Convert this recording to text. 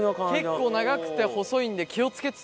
結構長くて細いので気をつけつつ。